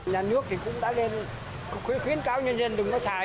nhà nước cũng đã khuyến cáo nhân dân đừng có xài